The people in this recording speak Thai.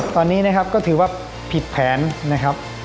ตอนนี้นะครับก็ถือว่าผิดแผนนะครับ